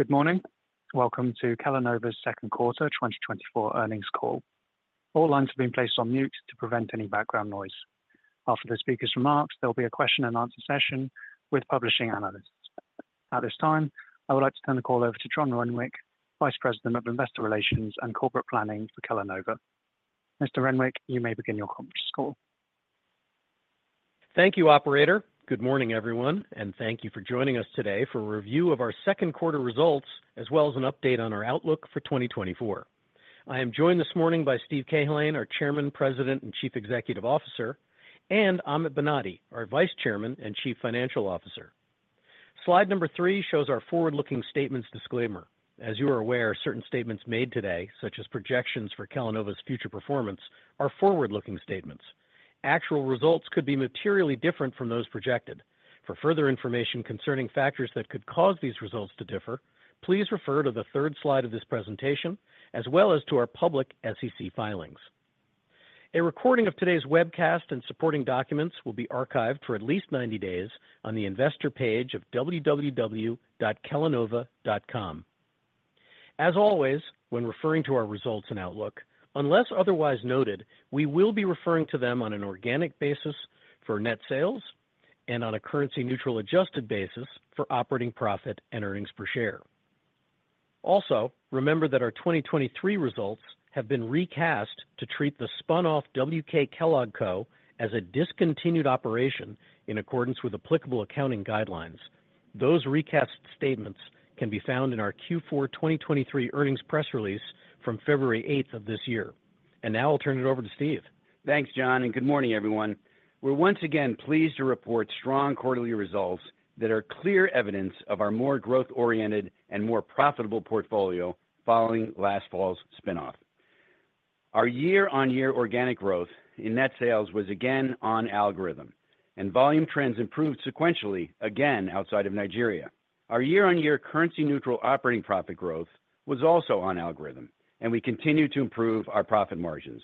Good morning. Welcome to Kellanova's Q2 2024 earnings call. All lines have been placed on mute to prevent any background noise. After the speaker's remarks, there'll be a question-and-answer session with publishing analysts. At this time, I would like to turn the call over to John Renwick, Vice President of Investor Relations and Corporate Planning for Kellanova. Mr. Renwick, you may begin your Conference Call. Thank you, Operator. Good morning, everyone, and thank you for joining us today for a review of our Q2 results, as well as an update on our outlook for 2024. I am joined this morning by Stephen Cahillane, our Chairman, President, and Chief Executive Officer, and Amit Banati, our Vice Chairman and Chief Financial Officer. Slide number three shows our forward-looking statements disclaimer. As you are aware, certain statements made today, such as projections for Kellanova's future performance, are forward-looking statements. Actual results could be materially different from those projected. For further information concerning factors that could cause these results to differ, please refer to the third slide of this presentation, as well as to our public SEC filings. A recording of today's webcast and supporting documents will be archived for at least 90 days on the investor page of www.kellanova.com. As always, when referring to our results and outlook, unless otherwise noted, we will be referring to them on an organic basis for net sales and on a currency-neutral adjusted basis for operating profit and earnings per share. Also, remember that our 2023 results have been recast to treat the spun-off WK Kellogg Co as a discontinued operation in accordance with applicable accounting guidelines. Those recast statements can be found in our Q4 2023 earnings press release from February 8th of this year. Now I'll turn it over to Stephen. Thanks, John, and good morning, everyone. We're once again pleased to report strong quarterly results that are clear evidence of our more growth-oriented and more profitable portfolio following last fall's spin-off. Our year-on-year organic growth in net sales was again on algorithm, and volume trends improved sequentially again outside of Nigeria. Our year-on-year currency-neutral operating profit growth was also on algorithm, and we continue to improve our profit margins.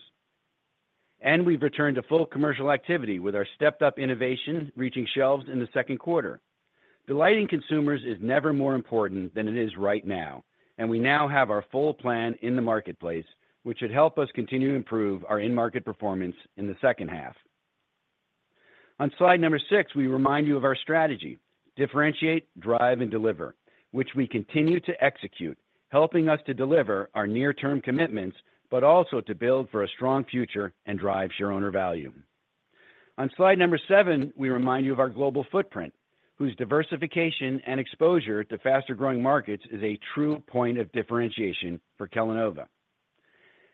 And we've returned to full commercial activity with our stepped-up innovation reaching shelves in the Q2. Delighting consumers is never more important than it is right now, and we now have our full plan in the marketplace, which should help us continue to improve our in-market performance in the second half. On slide number 6, we remind you of our strategy: differentiate, drive, and deliver, which we continue to execute, helping us to deliver our near-term commitments, but also to build for a strong future and drive shareholder value. On slide number 7, we remind you of our global footprint, whose diversification and exposure to faster-growing markets is a true point of differentiation for Kellanova.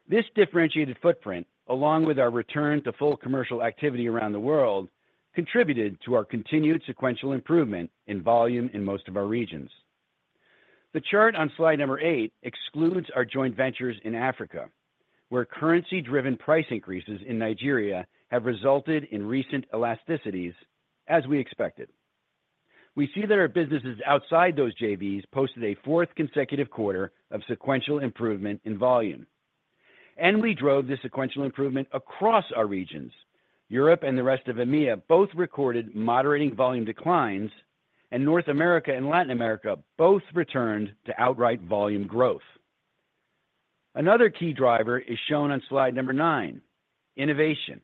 This differentiated footprint, along with our return to full commercial activity around the world, contributed to our continued sequential improvement in volume in most of our regions. The chart on slide number 8 excludes our joint ventures in Africa, where currency-driven price increases in Nigeria have resulted in recent elasticities, as we expected. We see that our businesses outside those JVs posted a fourth consecutive quarter of sequential improvement in volume. We drove this sequential improvement across our regions. Europe and the rest of EMEA both recorded moderating volume declines, and North America and Latin America both returned to outright volume growth. Another key driver is shown on slide number 9: innovation.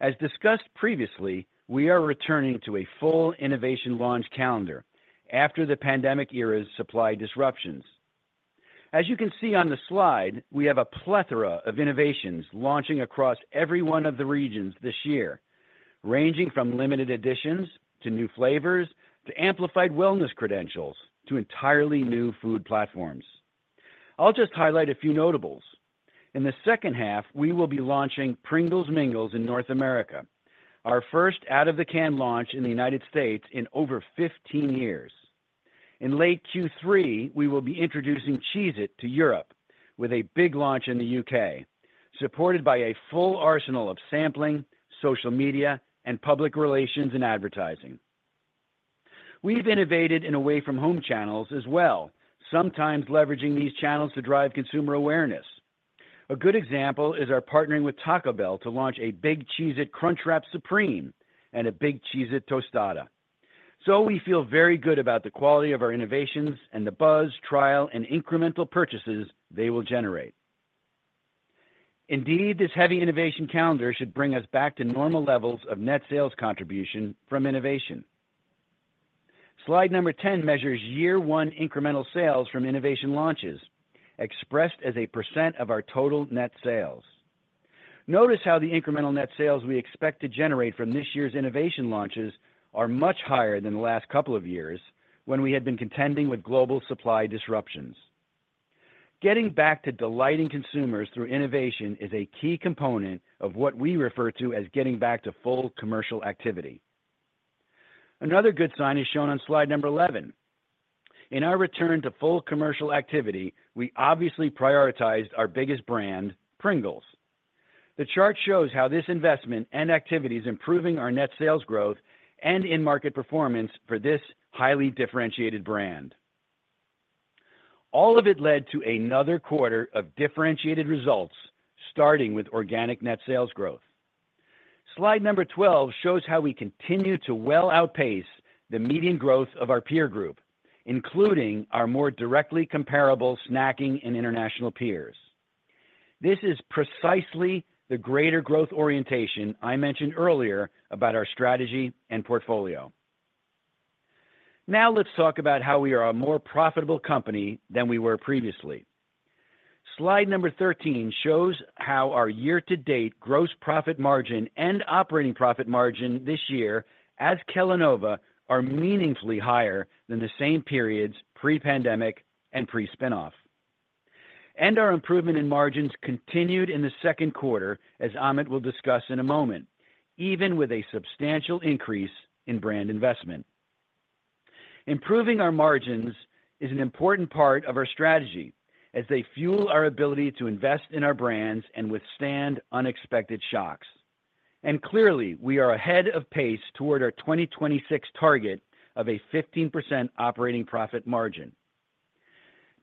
As discussed previously, we are returning to a full innovation launch calendar after the pandemic era's supply disruptions. As you can see on the slide, we have a plethora of innovations launching across every one of the regions this year, ranging from limited editions to new flavors to amplified wellness credentials to entirely new food platforms. I'll just highlight a few notables. In the second half, we will be launching Pringles Mingles in North America, our first out-of-the-can launch in the United States in over 15 years. In late Q3, we will be introducing Cheez-It to Europe with a big launch in the UK, supported by a full arsenal of sampling, social media, and public relations and advertising. We've innovated in away-from-home channels as well, sometimes leveraging these channels to drive consumer awareness. A good example is our partnering with Taco Bell to launch a Big Cheez-It Crunchwrap Supreme and a Big Cheez-It Tostada. So we feel very good about the quality of our innovations and the buzz, trial, and incremental purchases they will generate. Indeed, this heavy innovation calendar should bring us back to normal levels of net sales contribution from innovation. Slide number 10 measures year-one incremental sales from innovation launches, expressed as a % of our total net sales. Notice how the incremental net sales we expect to generate from this year's innovation launches are much higher than the last couple of years when we had been contending with global supply disruptions. Getting back to delighting consumers through innovation is a key component of what we refer to as getting back to full commercial activity. Another good sign is shown on slide 11. In our return to full commercial activity, we obviously prioritized our biggest brand, Pringles. The chart shows how this investment and activity is improving our net sales growth and in-market performance for this highly differentiated brand. All of it led to another quarter of differentiated results, starting with organic net sales growth. Slide 12 shows how we continue to well outpace the median growth of our peer group, including our more directly comparable snacking and international peers. This is precisely the greater growth orientation I mentioned earlier about our strategy and portfolio. Now let's talk about how we are a more profitable company than we were previously. Slide number 13 shows how our year-to-date gross profit margin and operating profit margin this year at Kellanova are meaningfully higher than the same periods pre-pandemic and pre-spin-off. And our improvement in margins continued in the Q2, as Amit will discuss in a moment, even with a substantial increase in brand investment. Improving our margins is an important part of our strategy as they fuel our ability to invest in our brands and withstand unexpected shocks. And clearly, we are ahead of pace toward our 2026 target of a 15% operating profit margin.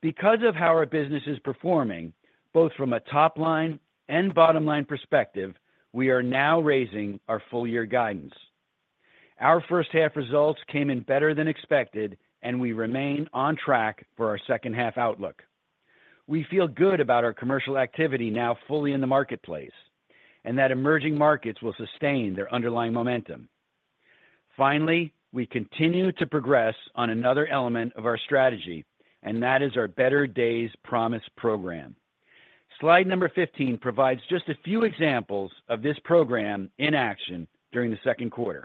Because of how our business is performing, both from a top-line and bottom-line perspective, we are now raising our full-year guidance. Our first-half results came in better than expected, and we remain on track for our second-half outlook. We feel good about our commercial activity now fully in the marketplace and that emerging markets will sustain their underlying momentum. Finally, we continue to progress on another element of our strategy, and that is our Better Days Promise Program. Slide number 15 provides just a few examples of this program in action during the Q2.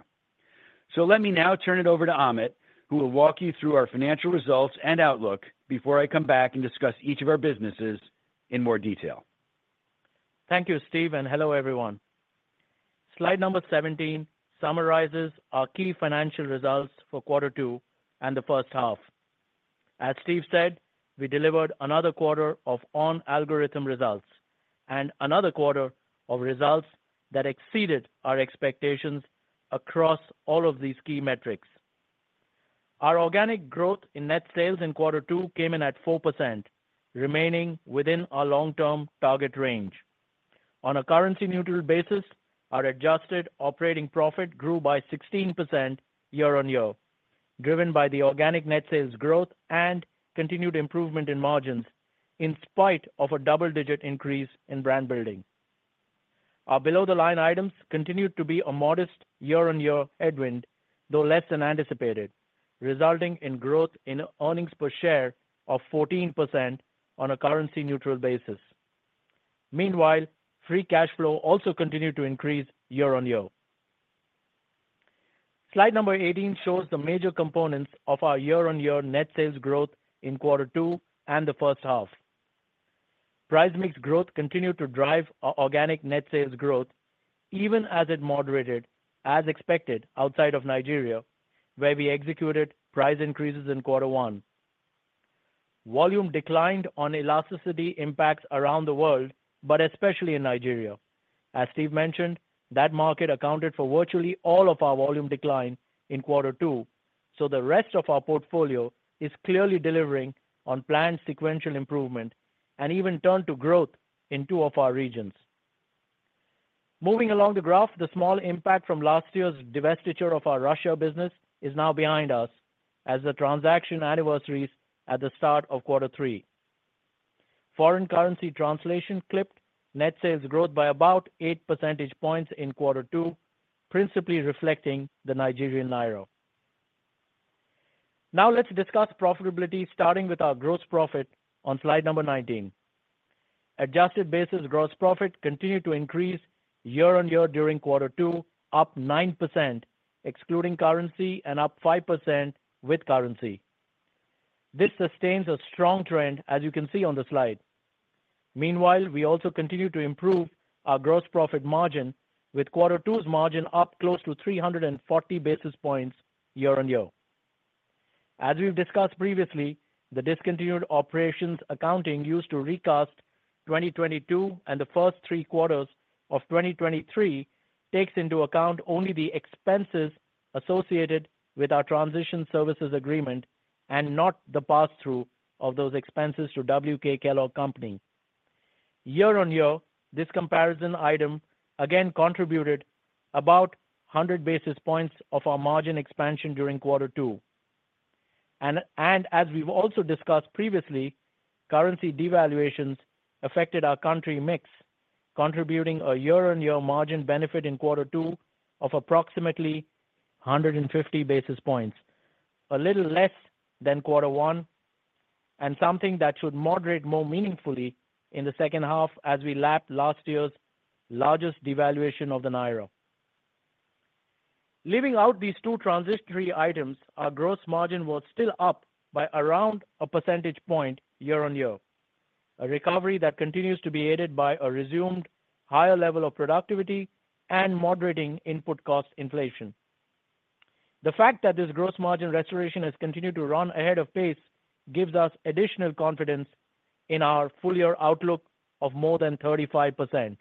So let me now turn it over to Amit, who will walk you through our financial results and outlook before I come back and discuss each of our businesses in more detail. Thank you, Stephen, and hello, everyone. Slide number 17 summarizes our key financial results for quarter two and the first half. As Stephen said, we delivered another quarter of on-algorithm results and another quarter of results that exceeded our expectations across all of these key metrics. Our organic growth in net sales in quarter two came in at 4%, remaining within our long-term target range. On a currency-neutral basis, our adjusted operating profit grew by 16% year-on-year, driven by the organic net sales growth and continued improvement in margins in spite of a double-digit increase in brand building. Our below-the-line items continued to be a modest year-on-year headwind, though less than anticipated, resulting in growth in earnings per share of 14% on a currency-neutral basis. Meanwhile, free cash flow also continued to increase year-on-year. Slide number 18 shows the major components of our year-on-year net sales growth in quarter two and the first half. Price mix growth continued to drive our organic net sales growth, even as it moderated, as expected, outside of Nigeria, where we executed price increases in quarter one. Volume declined on elasticity impacts around the world, but especially in Nigeria. As Stephen mentioned, that market accounted for virtually all of our volume decline in quarter two. The rest of our portfolio is clearly delivering on planned sequential improvement and even turned to growth in two of our regions. Moving along the graph, the small impact from last year's divestiture of our Russia business is now behind us as the transaction anniversaries at the start of quarter three. Foreign currency translation clipped net sales growth by about 8 percentage points in quarter two, principally reflecting the Nigerian naira. Now let's discuss profitability, starting with our gross profit on slide number 19. Adjusted basis gross profit continued to increase year-on-year during quarter two, up 9%, excluding currency, and up 5% with currency. This sustains a strong trend, as you can see on the slide. Meanwhile, we also continue to improve our gross profit margin, with quarter two's margin up close to 340 basis points year-on-year. As we've discussed previously, the discontinued operations accounting used to recast 2022 and the first three quarters of 2023 takes into account only the expenses associated with our transition services agreement and not the pass-through of those expenses to WK Kellogg Company. Year-on-year, this comparison item again contributed about 100 basis points of our margin expansion during quarter two. As we've also discussed previously, currency devaluations affected our country mix, contributing a year-on-year margin benefit in quarter two of approximately 150 basis points, a little less than quarter one and something that should moderate more meaningfully in the second half as we lap last year's largest devaluation of the lira. Leaving out these two transitory items, our gross margin was still up by around a percentage point year-on-year, a recovery that continues to be aided by a resumed higher level of productivity and moderating input cost inflation. The fact that this gross margin restoration has continued to run ahead of pace gives us additional confidence in our full-year outlook of more than 35%.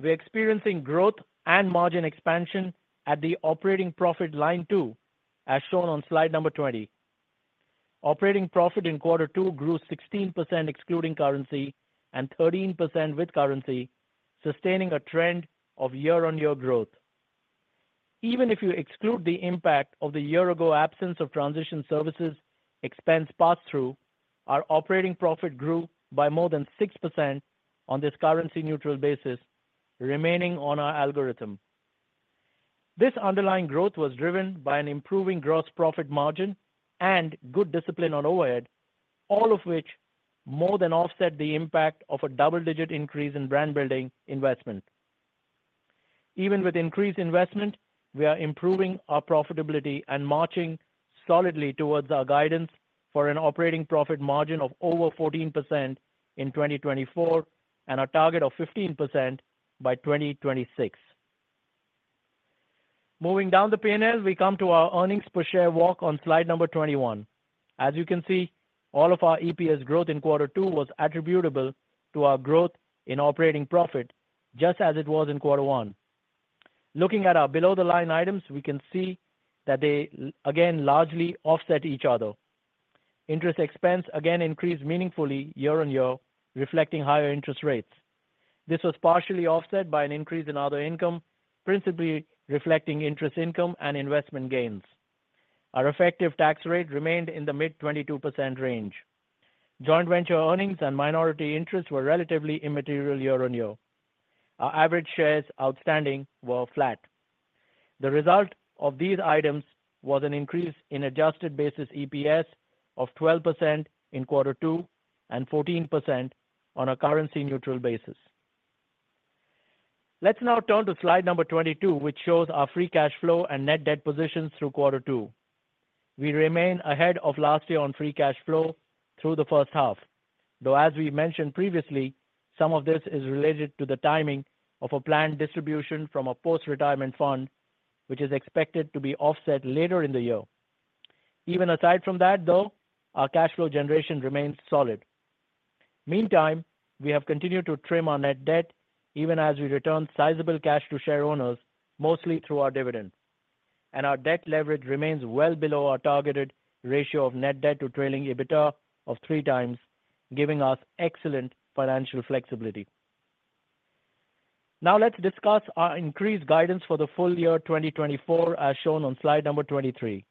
We're experiencing growth and margin expansion at the operating profit line, too, as shown on slide 20. Operating profit in quarter two grew 16% excluding currency and 13% with currency, sustaining a trend of year-on-year growth. Even if you exclude the impact of the year-ago absence of transition services expense pass-through, our operating profit grew by more than 6% on this currency-neutral basis, remaining on our algorithm. This underlying growth was driven by an improving gross profit margin and good discipline on overhead, all of which more than offset the impact of a double-digit increase in brand building investment. Even with increased investment, we are improving our profitability and marching solidly towards our guidance for an operating profit margin of over 14% in 2024 and a target of 15% by 2026. Moving down the P&L, we come to our earnings per share walk on slide number 21. As you can see, all of our EPS growth in quarter two was attributable to our growth in operating profit, just as it was in quarter one. Looking at our below-the-line items, we can see that they again largely offset each other. Interest expense again increased meaningfully year-on-year, reflecting higher interest rates. This was partially offset by an increase in other income, principally reflecting interest income and investment gains. Our effective tax rate remained in the mid-22% range. Joint venture earnings and minority interest were relatively immaterial year-on-year. Our average shares outstanding were flat. The result of these items was an increase in adjusted basis EPS of 12% in quarter two and 14% on a currency-neutral basis. Let's now turn to slide number 22, which shows our free cash flow and net debt positions through quarter two. We remain ahead of last year on free cash flow through the first half, though, as we mentioned previously, some of this is related to the timing of a planned distribution from a post-retirement fund, which is expected to be offset later in the year. Even aside from that, though, our cash flow generation remains solid. Meantime, we have continued to trim our net debt, even as we returned sizable cash to share owners, mostly through our dividend. And our debt leverage remains well below our targeted ratio of net debt to trailing EBITDA of 3x, giving us excellent financial flexibility. Now let's discuss our increased guidance for the full year 2024, as shown on slide 23.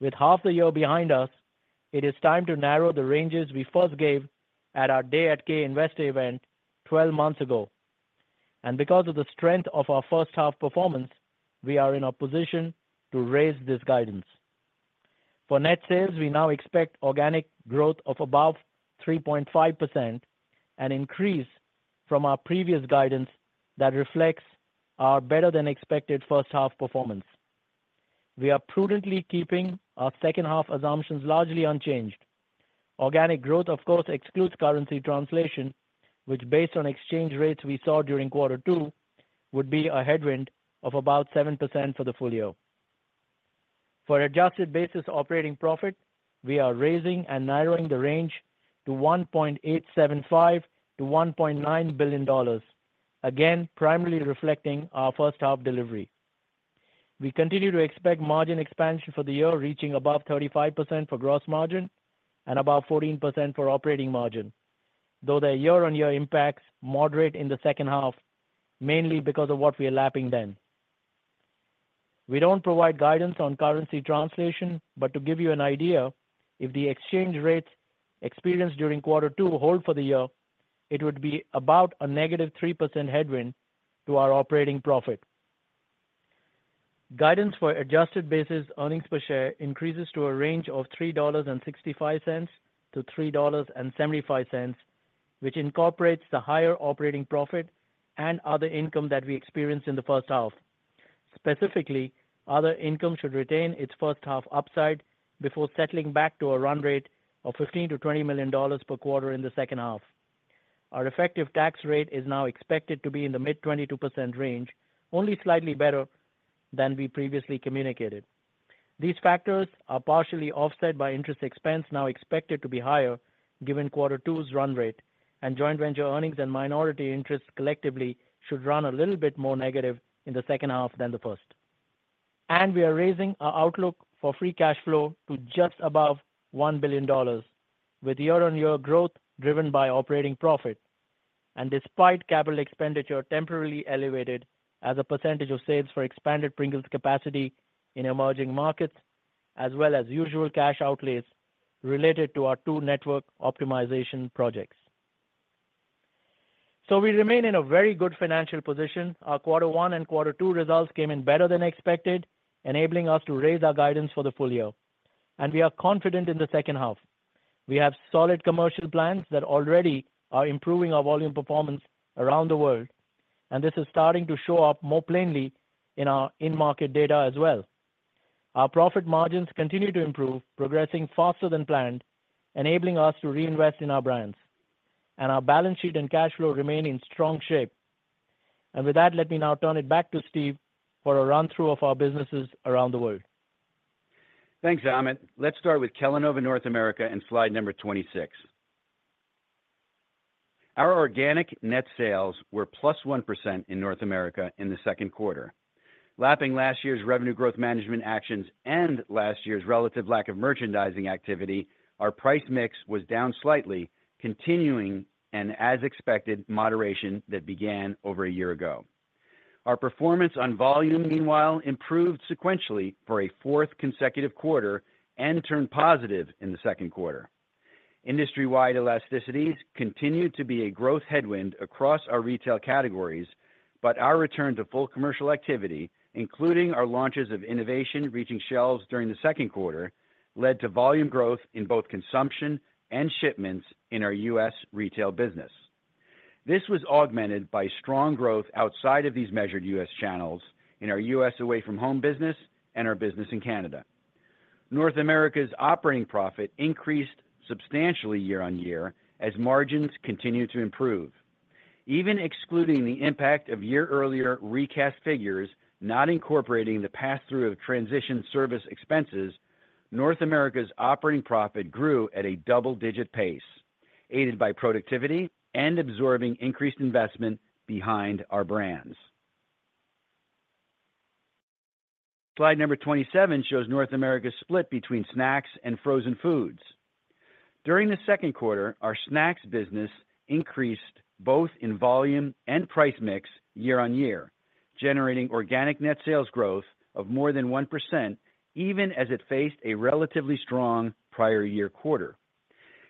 With half the year behind us, it is time to narrow the ranges we first gave at our Day at K Investor event 12 months ago. Because of the strength of our first-half performance, we are in a position to raise this guidance. For net sales, we now expect organic growth of above 3.5% and increase from our previous guidance that reflects our better-than-expected first-half performance. We are prudently keeping our second-half assumptions largely unchanged. Organic growth, of course, excludes currency translation, which, based on exchange rates we saw during quarter two, would be a headwind of about 7% for the full year. For adjusted basis operating profit, we are raising and narrowing the range to $1.875-$1.9 billion, again primarily reflecting our first-half delivery. We continue to expect margin expansion for the year reaching above 35% for gross margin and above 14% for operating margin, though the year-on-year impacts moderate in the second half, mainly because of what we are lapping then. We don't provide guidance on currency translation, but to give you an idea, if the exchange rates experienced during quarter two hold for the year, it would be about a negative 3% headwind to our operating profit. Guidance for adjusted basis earnings per share increases to a range of $3.65-$3.75, which incorporates the higher operating profit and other income that we experienced in the first half. Specifically, other income should retain its first-half upside before settling back to a run rate of $15 million-$20 million per quarter in the second half. Our effective tax rate is now expected to be in the mid-22% range, only slightly better than we previously communicated. These factors are partially offset by interest expense now expected to be higher, given quarter two's run rate, and joint venture earnings and minority interest collectively should run a little bit more negative in the second half than the first. And we are raising our outlook for free cash flow to just above $1 billion, with year-on-year growth driven by operating profit. And despite capital expenditure temporarily elevated as a percentage of sales for expanded Pringles capacity in emerging markets, as well as usual cash outlays related to our two network optimization projects. So we remain in a very good financial position. Our quarter one and quarter two results came in better than expected, enabling us to raise our guidance for the full year. And we are confident in the second half. We have solid commercial plans that already are improving our volume performance around the world, and this is starting to show up more plainly in our in-market data as well. Our profit margins continue to improve, progressing faster than planned, enabling us to reinvest in our brands. Our balance sheet and cash flow remain in strong shape. With that, let me now turn it back to Stephen for a run-through of our businesses around the world. Thanks, Amit. Let's start with Kellanova North America and slide 26. Our organic net sales were +1% in North America in the Q2. Lapping last year's revenue growth management actions and last year's relative lack of merchandising activity, our price mix was down slightly, continuing an, as expected, moderation that began over a year ago. Our performance on volume, meanwhile, improved sequentially for a fourth consecutive quarter and turned positive in the Q2. Industry-wide elasticities continued to be a growth headwind across our retail categories, but our return to full commercial activity, including our launches of innovation reaching shelves during the Q2, led to volume growth in both consumption and shipments in our U.S. retail business. This was augmented by strong growth outside of these measured U.S. channels in our U.S. away-from-home business and our business in Canada. North America's operating profit increased substantially year-on-year as margins continued to improve. Even excluding the impact of year-earlier recast figures not incorporating the pass-through of transition service expenses, North America's operating profit grew at a double-digit pace, aided by productivity and absorbing increased investment behind our brands. Slide number 27 shows North America's split between snacks and frozen foods. During the Q2, our snacks business increased both in volume and price mix year-on-year, generating organic net sales growth of more than 1%, even as it faced a relatively strong prior year quarter.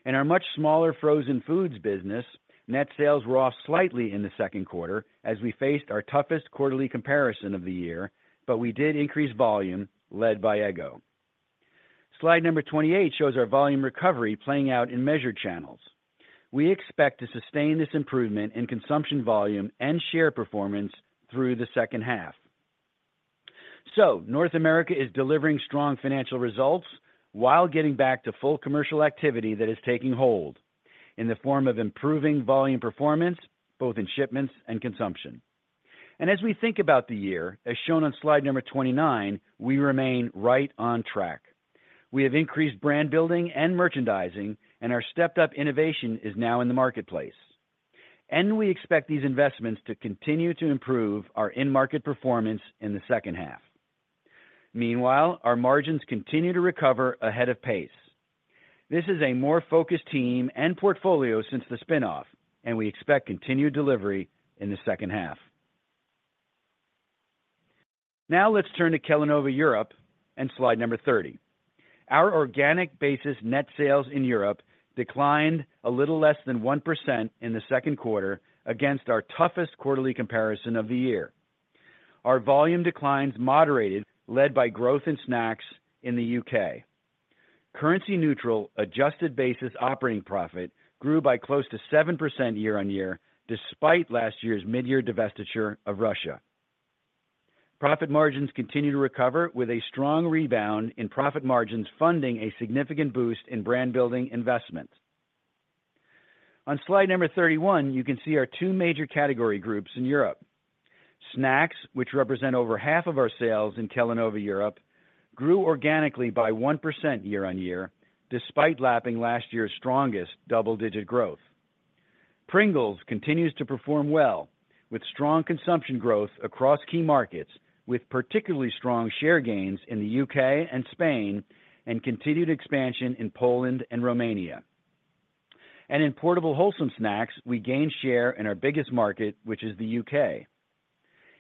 In our much smaller frozen foods business, net sales were off slightly in the Q2 as we faced our toughest quarterly comparison of the year, but we did increase volume led by Eggo. Slide number 28 shows our volume recovery playing out in measured channels. We expect to sustain this improvement in consumption volume and share performance through the second half. North America is delivering strong financial results while getting back to full commercial activity that is taking hold in the form of improving volume performance both in shipments and consumption. As we think about the year, as shown on slide number 29, we remain right on track. We have increased brand building and merchandising, and our stepped-up innovation is now in the marketplace. We expect these investments to continue to improve our in-market performance in the second half. Meanwhile, our margins continue to recover ahead of pace. This is a more focused team and portfolio since the spinoff, and we expect continued delivery in the second half. Now let's turn to Kellanova Europe and slide number 30. Our organic basis net sales in Europe declined a little less than 1% in the Q2 against our toughest quarterly comparison of the year. Our volume declines moderated, led by growth in snacks in the UK. Currency-neutral adjusted basis operating profit grew by close to 7% year-on-year, despite last year's mid-year divestiture of Russia. Profit margins continue to recover with a strong rebound in profit margins, funding a significant boost in brand building investment. On slide 31, you can see our two major category groups in Europe. Snacks, which represent over half of our sales in Kellanova Europe, grew organically by 1% year-on-year, despite lapping last year's strongest double-digit growth. Pringles continues to perform well, with strong consumption growth across key markets, with particularly strong share gains in the UK and Spain, and continued expansion in Poland and Romania. In portable wholesome snacks, we gained share in our biggest market, which is the UK.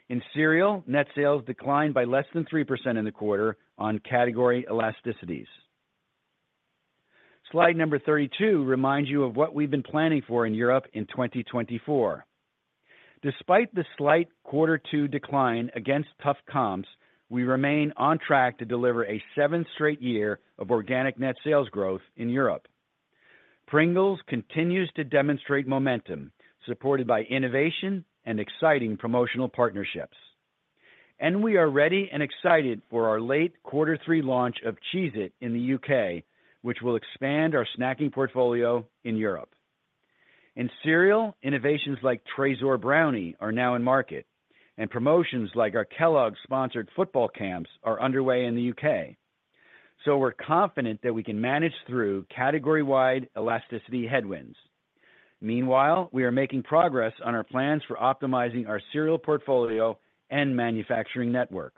In cereal, net sales declined by less than 3% in the quarter on category elasticities. Slide number 32 reminds you of what we've been planning for in Europe in 2024. Despite the slight quarter two decline against tough comps, we remain on track to deliver a seventh straight year of organic net sales growth in Europe. Pringles continues to demonstrate momentum, supported by innovation and exciting promotional partnerships. And we are ready and excited for our late quarter three launch of Cheez-It in the UK, which will expand our snacking portfolio in Europe. In cereal, innovations like Trésor Brownie are now in market, and promotions like our Kellogg-sponsored football camps are underway in the UK. So we're confident that we can manage through category-wide elasticity headwinds. Meanwhile, we are making progress on our plans for optimizing our cereal portfolio and manufacturing network.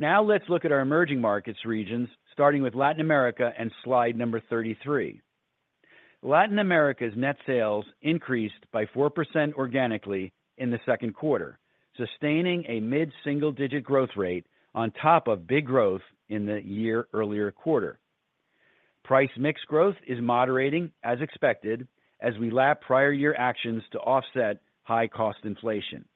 Now let's look at our emerging markets regions, starting with Latin America and slide number 33. Latin America's net sales increased by 4% organically in the Q2, sustaining a mid-single-digit growth rate on top of big growth in the year earlier quarter. Price mix growth is moderating, as expected, as we lap prior year actions to offset high-cost inflation.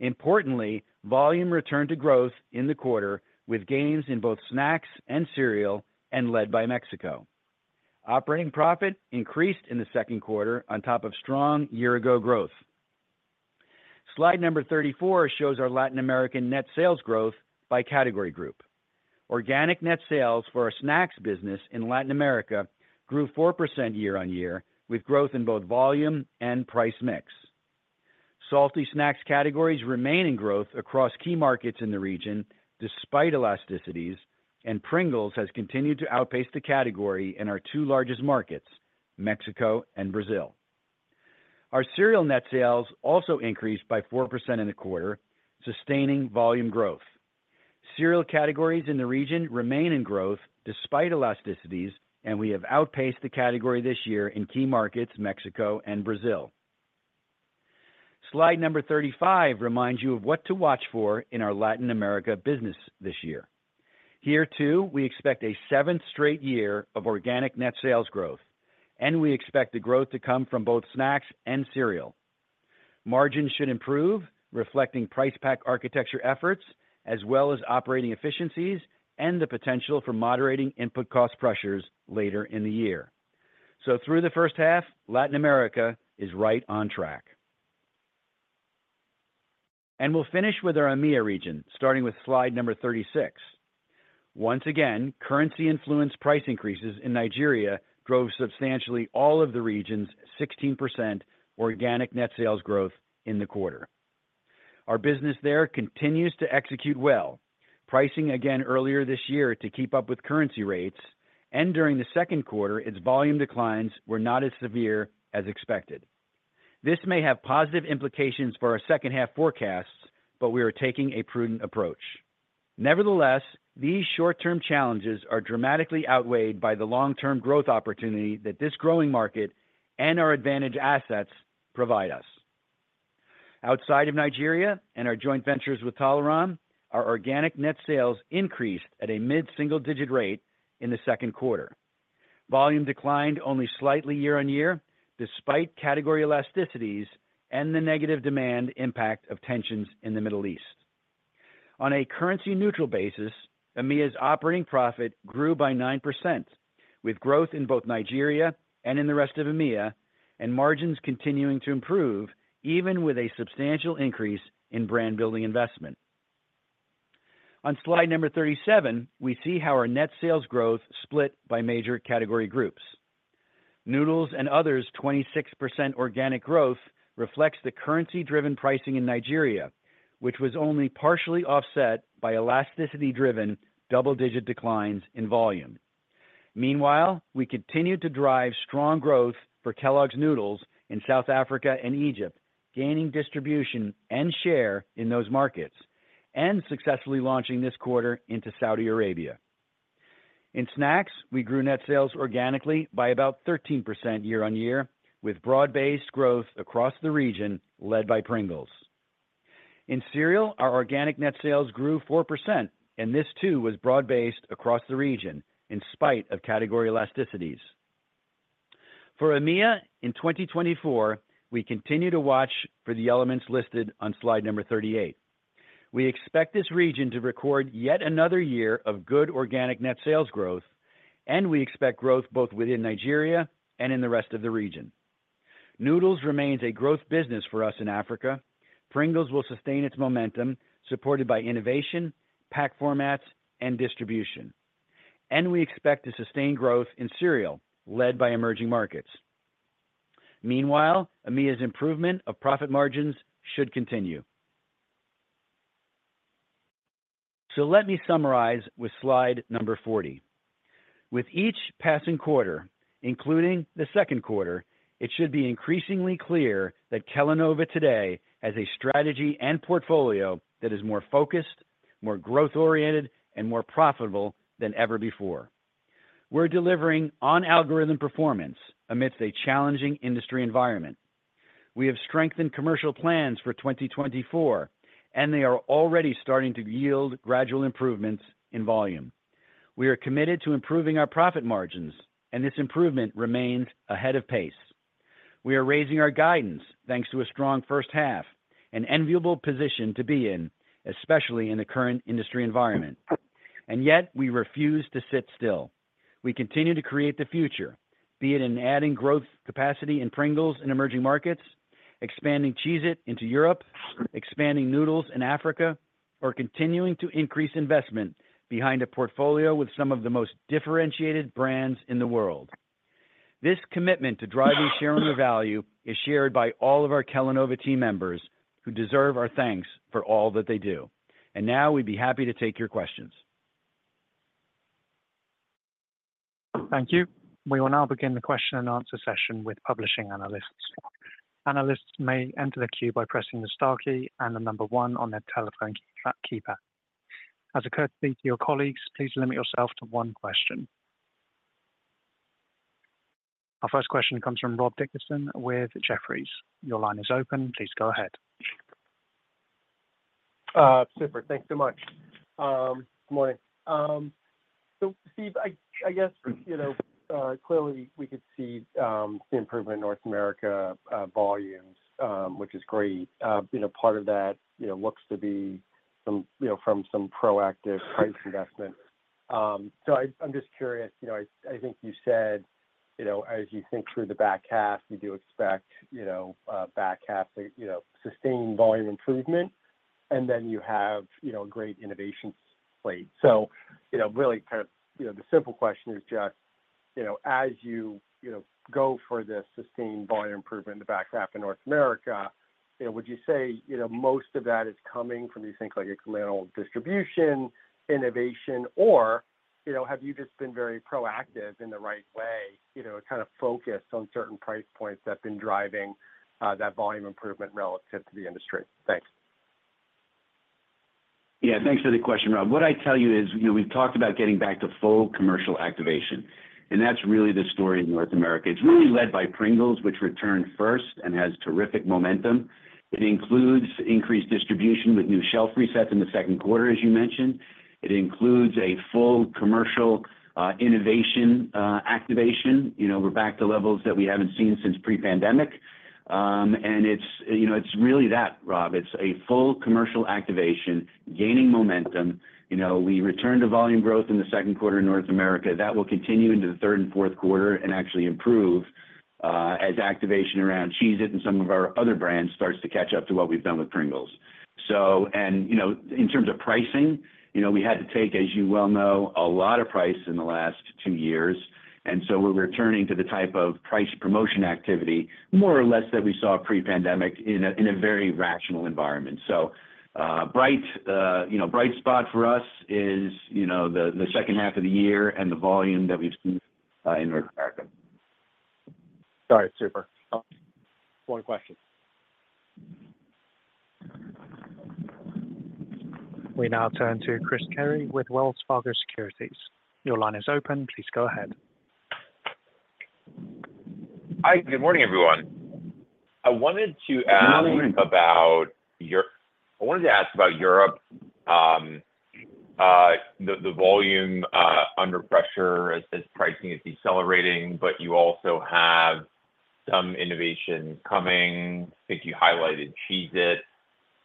Importantly, volume returned to growth in the quarter, with gains in both snacks and cereal, and led by Mexico. Operating profit increased in the Q2 on top of strong year-ago growth. Slide number 34 shows our Latin American net sales growth by category group. Organic net sales for our snacks business in Latin America grew 4% year-on-year, with growth in both volume and price mix. Salty snacks categories remain in growth across key markets in the region, despite elasticities, and Pringles has continued to outpace the category in our two largest markets, Mexico and Brazil. Our cereal net sales also increased by 4% in the quarter, sustaining volume growth. Cereal categories in the region remain in growth despite elasticities, and we have outpaced the category this year in key markets, Mexico and Brazil. Slide number 35 reminds you of what to watch for in our Latin America business this year. Here, too, we expect a seventh straight year of organic net sales growth, and we expect the growth to come from both snacks and cereal. Margins should improve, reflecting price-pack architecture efforts, as well as operating efficiencies and the potential for moderating input cost pressures later in the year. So through the first half, Latin America is right on track. We'll finish with our EMEA region, starting with slide number 36. Once again, currency-influenced price increases in Nigeria drove substantially all of the region's 16% organic net sales growth in the quarter. Our business there continues to execute well, pricing again earlier this year to keep up with currency rates, and during the Q2, its volume declines were not as severe as expected. This may have positive implications for our second-half forecasts, but we are taking a prudent approach. Nevertheless, these short-term challenges are dramatically outweighed by the long-term growth opportunity that this growing market and our advantage assets provide us. Outside of Nigeria and our joint ventures with Tolaram, our organic net sales increased at a mid-single-digit rate in the Q2. Volume declined only slightly year-on-year, despite category elasticities and the negative demand impact of tensions in the Middle East. On a currency-neutral basis, EMEA's operating profit grew by 9%, with growth in both Nigeria and in the rest of EMEA, and margins continuing to improve, even with a substantial increase in brand building investment. On slide 37, we see how our net sales growth split by major category groups. Noodles and others' 26% organic growth reflects the currency-driven pricing in Nigeria, which was only partially offset by elasticity-driven double-digit declines in volume. Meanwhile, we continue to drive strong growth for Kellogg's Noodles in South Africa and Egypt, gaining distribution and share in those markets, and successfully launching this quarter into Saudi Arabia. In snacks, we grew net sales organically by about 13% year-on-year, with broad-based growth across the region led by Pringles. In cereal, our organic net sales grew 4%, and this, too, was broad-based across the region in spite of category elasticities. For EMEA in 2024, we continue to watch for the elements listed on slide number 38. We expect this region to record yet another year of good organic net sales growth, and we expect growth both within Nigeria and in the rest of the region. Noodles remains a growth business for us in Africa. Pringles will sustain its momentum, supported by innovation, pack formats, and distribution. And we expect to sustain growth in cereal, led by emerging markets. Meanwhile, EMEA's improvement of profit margins should continue. So let me summarize with slide number 40. With each passing quarter, including the Q2, it should be increasingly clear that Kellanova today has a strategy and portfolio that is more focused, more growth-oriented, and more profitable than ever before. We're delivering on-algorithm performance amidst a challenging industry environment. We have strengthened commercial plans for 2024, and they are already starting to yield gradual improvements in volume. We are committed to improving our profit margins, and this improvement remains ahead of pace. We are raising our guidance thanks to a strong first half, an enviable position to be in, especially in the current industry environment. And yet, we refuse to sit still. We continue to create the future, be it in adding growth capacity in Pringles and emerging markets, expanding Cheez-It into Europe, expanding Noodles in Africa, or continuing to increase investment behind a portfolio with some of the most differentiated brands in the world. This commitment to driving shareholder value is shared by all of our Kellanova team members, who deserve our thanks for all that they do. And now we'd be happy to take your questions. Thank you. We will now begin the question-and-answer session with participating analysts. Analysts may enter the queue by pressing the star key and the number one on their telephone keypad. As a courtesy to your colleagues, please limit yourself to one question. Our first question comes from Rob Dickerson with Jefferies. Your line is open. Please go ahead. Super. Thanks so much. Good morning. So Stephen, I guess clearly we could see the improvement in North America volumes, which is great. Part of that looks to be from some proactive price investment. So I'm just curious. I think you said, as you think through the back half, you do expect back half to sustain volume improvement, and then you have a great innovation slate. So really kind of the simple question is just, as you go for this sustained volume improvement in the back half in North America, would you say most of that is coming from, you think, like incremental distribution, innovation, or have you just been very proactive in the right way, kind of focused on certain price points that have been driving that volume improvement relative to the industry? Thanks. Yeah. Thanks for the question, Rob. What I tell you is we've talked about getting back to full commercial activation. And that's really the story in North America. It's really led by Pringles, which returned first and has terrific momentum. It includes increased distribution with new shelf resets in the Q2, as you mentioned. It includes a full commercial innovation activation. We're back to levels that we haven't seen since pre-pandemic. And it's really that, Rob. It's a full commercial activation, gaining momentum. We returned to volume growth in the Q2 in North America. That will continue into the third and Q4 and actually improve as activation around Cheez-It and some of our other brands starts to catch up to what we've done with Pringles. And in terms of pricing, we had to take, as you well know, a lot of price in the last two years. And so we're returning to the type of price promotion activity, more or less, that we saw pre-pandemic in a very rational environment. So bright spot for us is the second half of the year and the volume that we've seen in North America. All right. Super. More questions. We now turn to Christopher Carey with Wells Fargo Securities. Your line is open. Please go ahead. Hi. Good morning, everyone. I wanted to ask about Europe, the volume under pressure as pricing is decelerating, but you also have some innovation coming. I think you highlighted Cheez-It.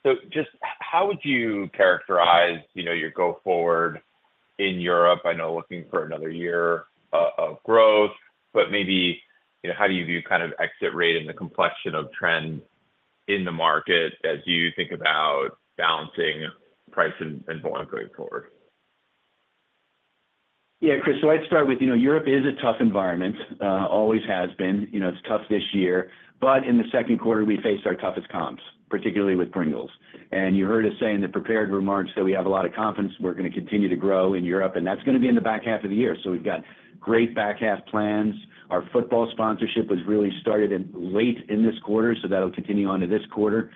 So just how would you characterize your go-forward in Europe? I know looking for another year of growth, but maybe how do you view kind of exit rate and the complexion of trends in the market as you think about balancing price and volume going forward? Yeah, Christopher, so I'd start with Europe is a tough environment, always has been. It's tough this year. But in the Q2, we faced our toughest comps, particularly with Pringles. And you heard us say in the prepared remarks that we have a lot of confidence we're going to continue to grow in Europe, and that's going to be in the back half of the year. So we've got great back half plans. Our football sponsorship was really started late in this quarter, so that'll continue on to this quarter.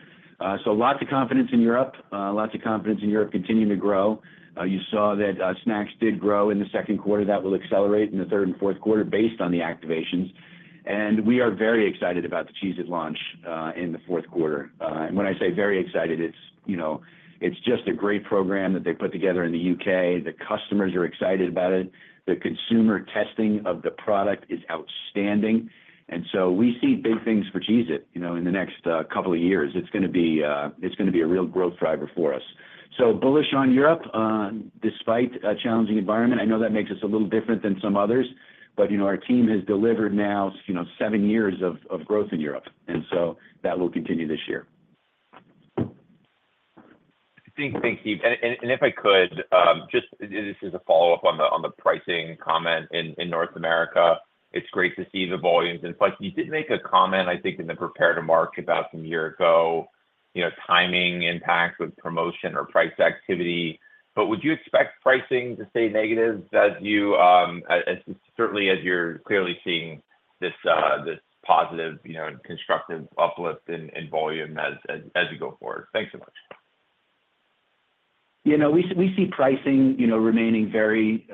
So lots of confidence in Europe, lots of confidence in Europe continuing to grow. You saw that snacks did grow in the Q2. That will accelerate in the third and Q4 based on the activations. And we are very excited about the Cheez-It launch in the Q4. And when I say very excited, it's just a great program that they put together in the UK. The customers are excited about it. The consumer testing of the product is outstanding. And so we see big things for Cheez-It in the next couple of years. It's going to be a real growth driver for us. So bullish on Europe despite a challenging environment. I know that makes us a little different than some others, but our team has delivered now seven years of growth in Europe. So that will continue this year. I think, Stephen, and if I could, just this is a follow-up on the pricing comment in North America. It's great to see the volumes. And you did make a comment, I think, in the prepared remarks about some years ago, timing impact with promotion or price activity. But would you expect pricing to stay negative as you, certainly as you're clearly seeing this positive and constructive uplift in volume as you go forward? Thanks so much. We see pricing remaining very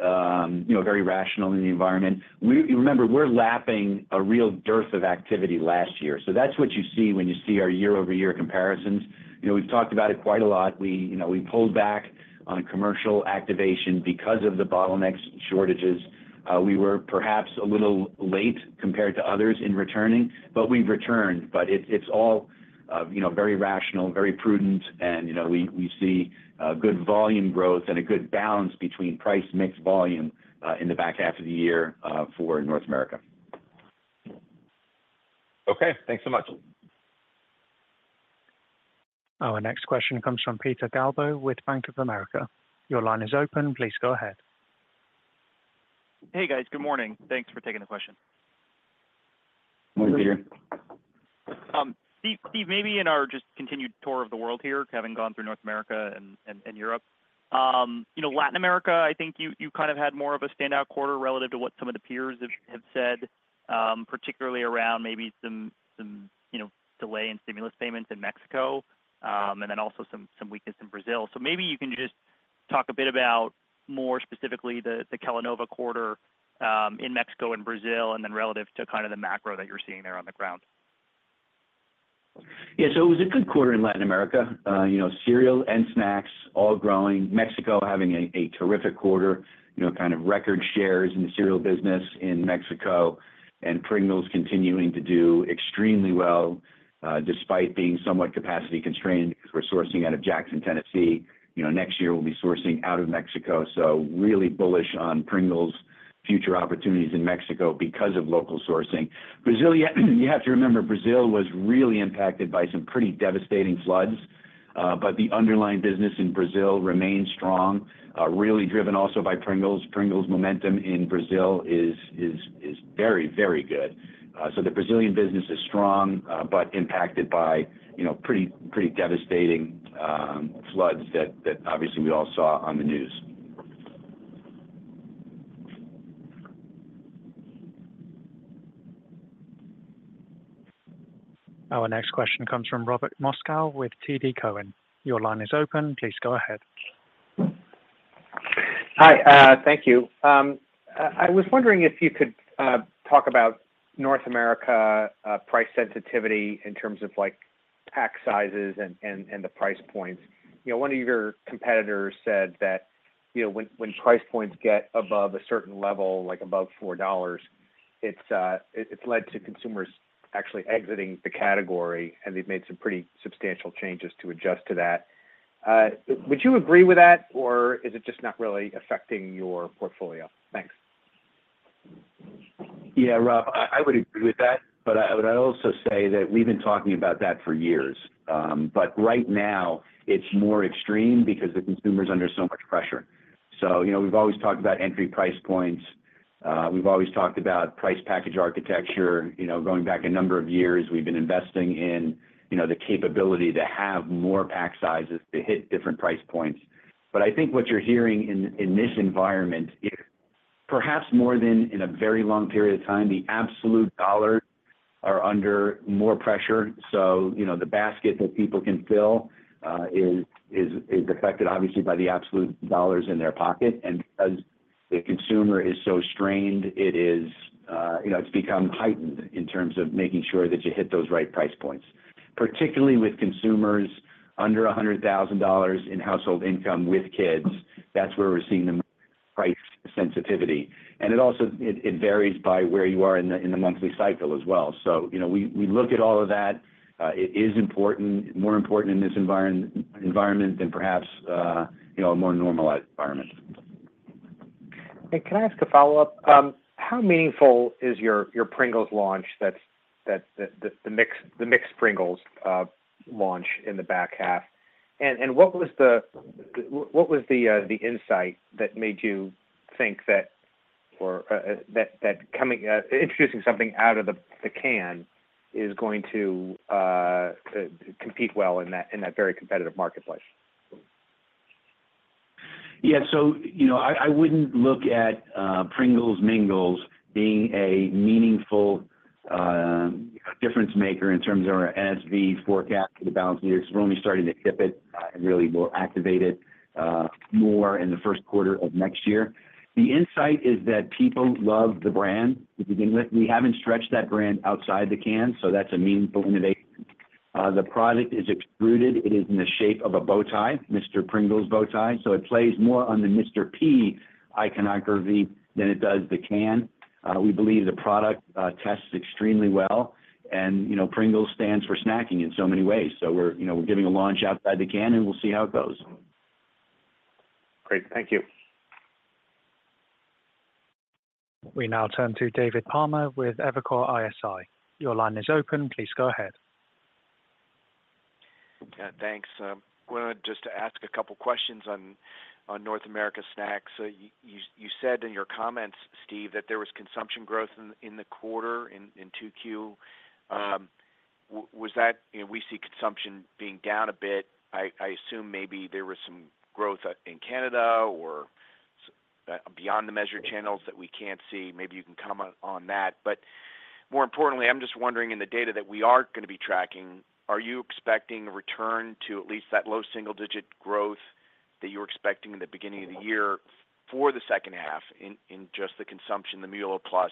rational in the environment. Remember, we're lapping a real dearth of activity last year. So that's what you see when you see our year-over-year comparisons. We've talked about it quite a lot. We pulled back on commercial activation because of the bottlenecks and shortages. We were perhaps a little late compared to others in returning, but we've returned. But it's all very rational, very prudent, and we see good volume growth and a good balance between price mix volume in the back half of the year for North America. Okay. Thanks so much. Our next question comes from Peter Galbo with Bank of America. Your line is open. Please go ahead. Hey, guys. Good morning. Thanks for taking the question. Good morning, Peter. Stephen, maybe in our just continued tour of the world here, having gone through North America and Europe, Latin America, I think you kind of had more of a standout quarter relative to what some of the peers have said, particularly around maybe some delay in stimulus payments in Mexico and then also some weakness in Brazil. So maybe you can just talk a bit about more specifically the Kellanova quarter in Mexico and Brazil and then relative to kind of the macro that you're seeing there on the ground. Yeah. So it was a good quarter in Latin America. Cereal and snacks all growing. Mexico having a terrific quarter, kind of record shares in the cereal business in Mexico and Pringles continuing to do extremely well despite being somewhat capacity constrained because we're sourcing out of Jackson, Tennessee. Next year, we'll be sourcing out of Mexico. So really bullish on Pringles' future opportunities in Mexico because of local sourcing. Brazil, you have to remember, Brazil was really impacted by some pretty devastating floods. But the underlying business in Brazil remains strong, really driven also by Pringles. Pringles' momentum in Brazil is very, very good. So the Brazilian business is strong but impacted by pretty devastating floods that obviously we all saw on the news. Our next question comes from Robert Moskow with TD Cowen. Your line is open. Please go ahead. Hi. Thank you. I was wondering if you could talk about North America price sensitivity in terms of pack sizes and the price points. One of your competitors said that when price points get above a certain level, like above $4, it's led to consumers actually exiting the category, and they've made some pretty substantial changes to adjust to that. Would you agree with that, or is it just not really affecting your portfolio? Thanks. Yeah, Rob, I would agree with that. But I would also say that we've been talking about that for years. But right now, it's more extreme because the consumer is under so much pressure. So we've always talked about entry price points. We've always talked about price package architecture. Going back a number of years, we've been investing in the capability to have more pack sizes to hit different price points. But I think what you're hearing in this environment, perhaps more than in a very long period of time, the absolute dollars are under more pressure. So the basket that people can fill is affected, obviously, by the absolute dollars in their pocket. And because the consumer is so strained, it's become heightened in terms of making sure that you hit those right price points, particularly with consumers under $100,000 in household income with kids. That's where we're seeing the price sensitivity. And it varies by where you are in the monthly cycle as well. So we look at all of that. It is more important in this environment than perhaps a more normalized environment. Can I ask a follow-up? How meaningful is your Pringles Mingles launch in the back half? What was the insight that made you think that introducing something out of the can is going to compete well in that very competitive marketplace? Yeah. So I wouldn't look at Pringles Mingles being a meaningful difference maker in terms of our NSV forecast for the balance of the year because we're only starting to tip it and really will activate it more in the Q1 of next year. The insight is that people love the brand to begin with. We haven't stretched that brand outside the can, so that's a meaningful innovation. The product is extruded. It is in the shape of a bow tie, Mr. Pringles bow tie. So it plays more on the Mr. P iconography than it does the can. We believe the product tests extremely well. And Pringles stands for snacking in so many ways. So we're giving a launch outside the can, and we'll see how it goes. Great. Thank you. We now turn to David Palmer with Evercore ISI. Your line is open. Please go ahead. Yeah. Thanks. I wanted just to ask a couple of questions on North America snacks. You said in your comments, Stephen, that there was consumption growth in the quarter in 2Q. We see consumption being down a bit. I assume maybe there was some growth in Canada or beyond the measured channels that we can't see. Maybe you can comment on that. But more importantly, I'm just wondering, in the data that we are going to be tracking, are you expecting a return to at least that low single-digit growth that you were expecting in the beginning of the year for the second half in just the consumption, the meal-plus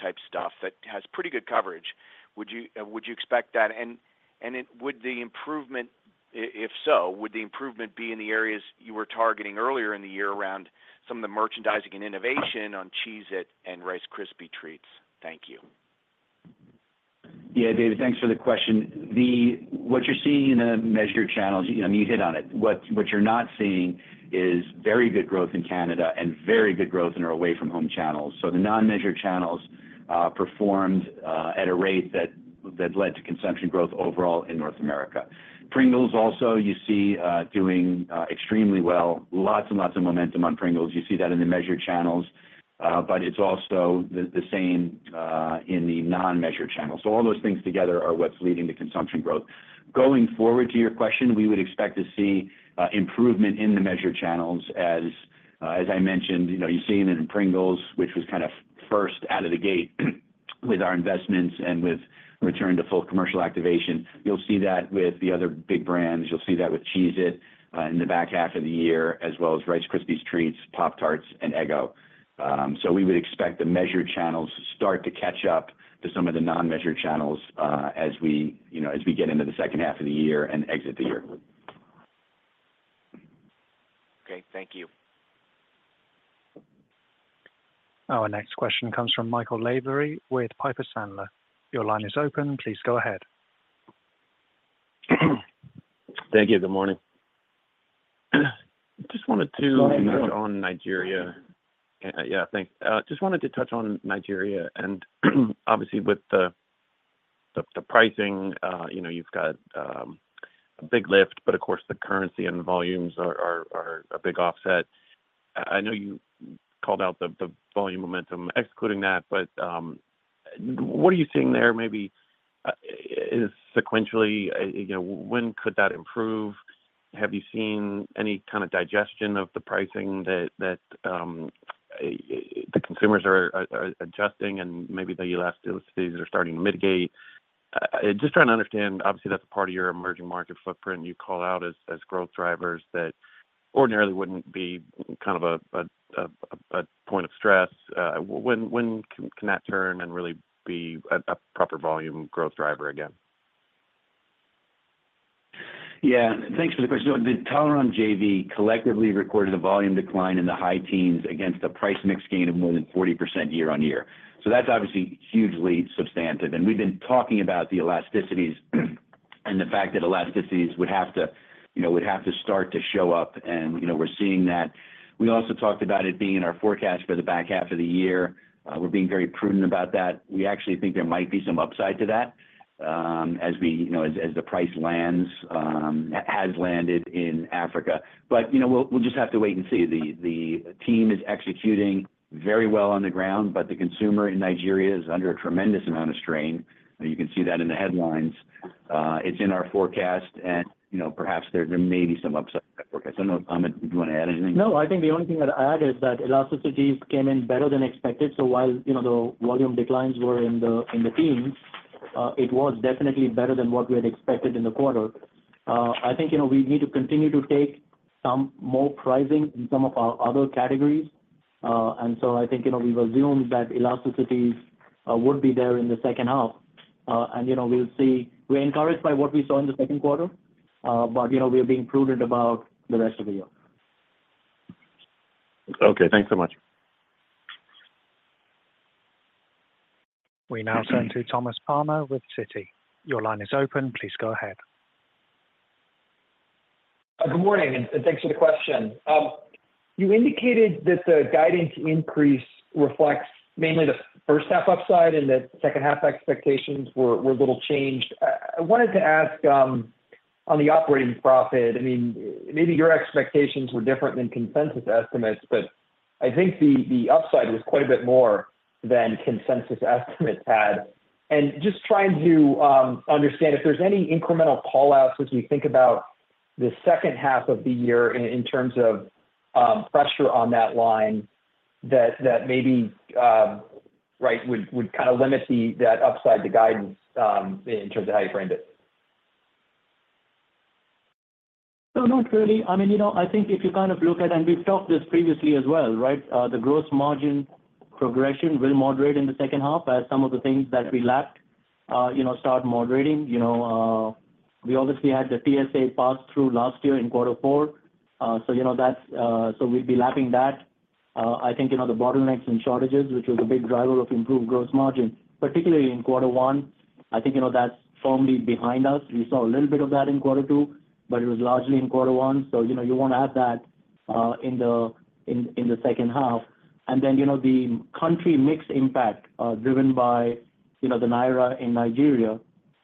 type stuff that has pretty good coverage? Would you expect that? And would the improvement, if so, would the improvement be in the areas you were targeting earlier in the year around some of the merchandising and innovation on Cheez-It and Rice Krispies Treats? Thank you. Yeah, David, thanks for the question. What you're seeing in the measured channels, you hit on it. What you're not seeing is very good growth in Canada and very good growth in our away-from-home channels. So the non-measured channels performed at a rate that led to consumption growth overall in North America. Pringles also, you see doing extremely well. Lots and lots of momentum on Pringles. You see that in the measured channels. But it's also the same in the non-measured channels. So all those things together are what's leading to consumption growth. Going forward to your question, we would expect to see improvement in the measured channels. As I mentioned, you're seeing it in Pringles, which was kind of first out of the gate with our investments and with return to full commercial activation. You'll see that with the other big brands. You'll see that with Cheez-It in the back half of the year, as well as Rice Krispies Treats, Pop-Tarts, and Eggo. So we would expect the measured channels to start to catch up to some of the non-measured channels as we get into the second half of the year and exit the year. Great. Thank you. Our next question comes from Michael Lavery with Piper Sandler. Your line is open. Please go ahead. Thank you. Good morning. Just wanted to touch on Nigeria. Yeah, thanks. Just wanted to touch on Nigeria. And obviously, with the pricing, you've got a big lift, but of course, the currency and volumes are a big offset. I know you called out the volume momentum, excluding that. But what are you seeing there? Maybe sequentially, when could that improve? Have you seen any kind of digestion of the pricing that the consumers are adjusting and maybe the elasticities are starting to mitigate? Just trying to understand, obviously, that's a part of your emerging market footprint you call out as growth drivers that ordinarily wouldn't be kind of a point of stress. When can that turn and really be a proper volume growth driver again? Yeah. Thanks for the question. The Tolaram JV collectively recorded a volume decline in the high teens against a price mix gain of more than 40% year-on-year. So that's obviously hugely substantive. And we've been talking about the elasticities and the fact that elasticities would have to start to show up. And we're seeing that. We also talked about it being in our forecast for the back half of the year. We're being very prudent about that. We actually think there might be some upside to that as the price has landed in Africa. But we'll just have to wait and see. The team is executing very well on the ground, but the consumer in Nigeria is under a tremendous amount of strain. You can see that in the headlines. It's in our forecast, and perhaps there may be some upside to that forecast. I don't know. Amit, do you want to add anything? No. I think the only thing I'd add is that elasticities came in better than expected. So while the volume declines were in the teens, it was definitely better than what we had expected in the quarter. I think we need to continue to take some more pricing in some of our other categories. So I think we've assumed that elasticities would be there in the second half. And we'll see. We're encouraged by what we saw in the Q2, but we're being prudent about the rest of the year. Okay. Thanks so much. We now turn to Thomas Palmer with Citi. Your line is open. Please go ahead. Good morning, and thanks for the question. You indicated that the guidance increase reflects mainly the first-half upside and that second-half expectations were a little changed. I wanted to ask on the operating profit. I mean, maybe your expectations were different than consensus estimates, but I think the upside was quite a bit more than consensus estimates had. And just trying to understand if there's any incremental callouts as we think about the second half of the year in terms of pressure on that line that maybe would kind of limit that upside to guidance in terms of how you framed it. No, not really. I mean, I think if you kind of look at it, and we've talked this previously as well, right? The gross margin progression will moderate in the second half as some of the things that we lapped start moderating. We obviously had the TSA pass through last year in quarter four. So we'd be lapping that. I think the bottlenecks and shortages, which was a big driver of improved gross margin, particularly in quarter one, I think that's firmly behind us. We saw a little bit of that in quarter two, but it was largely in quarter one. So you want to have that in the second half. And then the country mix impact driven by the Naira in Nigeria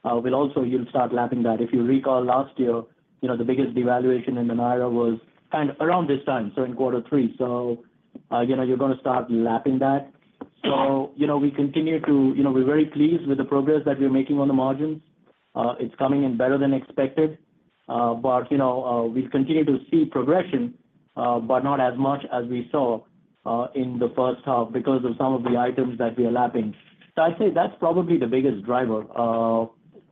will also start lapping that. If you recall last year, the biggest devaluation in the Naira was kind of around this time, so in quarter three. So you're going to start lapping that. So we continue to be very pleased with the progress that we're making on the margins. It's coming in better than expected. But we'll continue to see progression, but not as much as we saw in the first half because of some of the items that we are lapping. So I'd say that's probably the biggest driver.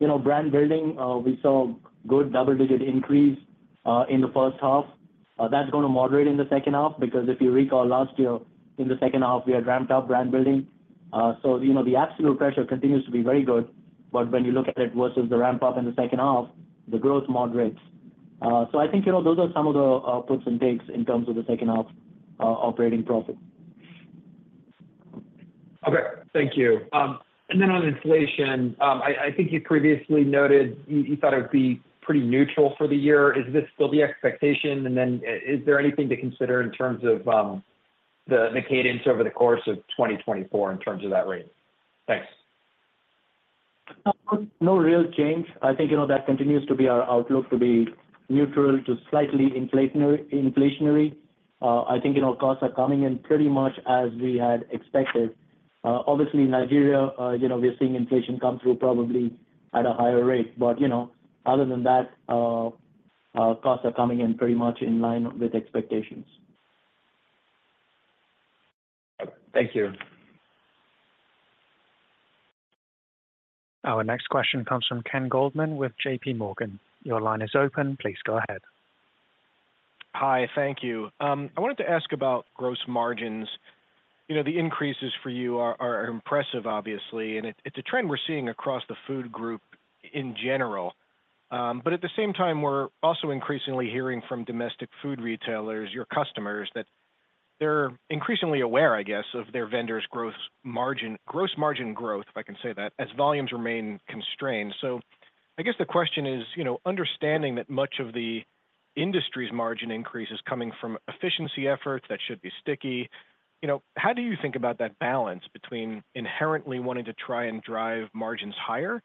Brand building, we saw good double-digit increase in the first half. That's going to moderate in the second half because if you recall last year, in the second half, we had ramped up brand building. So the absolute pressure continues to be very good. But when you look at it versus the ramp-up in the second half, the growth moderates. So I think those are some of the puts and takes in terms of the second-half operating profit. Okay. Thank you. And then on inflation, I think you previously noted you thought it would be pretty neutral for the year. Is this still the expectation? And then is there anything to consider in terms of the cadence over the course of 2024 in terms of that rate? Thanks. No real change. I think that continues to be our outlook, to be neutral to slightly inflationary. I think costs are coming in pretty much as we had expected. Obviously, Nigeria, we're seeing inflation come through probably at a higher rate. But other than that, costs are coming in pretty much in line with expectations. Thank you. Our next question comes from Kenneth Goldman with JP Morgan. Your line is open. Please go ahead. Hi. Thank you. I wanted to ask about gross margins. The increases for you are impressive, obviously. And it's a trend we're seeing across the food group in general. But at the same time, we're also increasingly hearing from domestic food retailers, your customers, that they're increasingly aware, I guess, of their vendors' gross margin growth, if I can say that, as volumes remain constrained. So I guess the question is, understanding that much of the industry's margin increase is coming from efficiency efforts that should be sticky, how do you think about that balance between inherently wanting to try and drive margins higher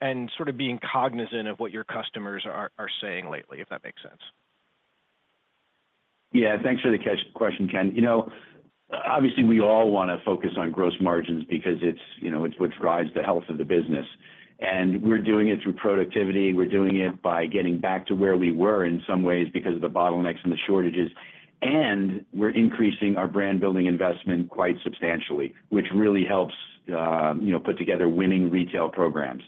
and sort of being cognizant of what your customers are saying lately, if that makes sense? Yeah. Thanks for the question, Kenneth. Obviously, we all want to focus on gross margins because it's what drives the health of the business. And we're doing it through productivity. We're doing it by getting back to where we were in some ways because of the bottlenecks and the shortages. And we're increasing our brand-building investment quite substantially, which really helps put together winning retail programs.